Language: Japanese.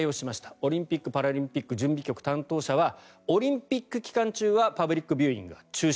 オリンピック・パラリンピック準備局担当者はオリンピック期間中はパブリックビューイングは中止。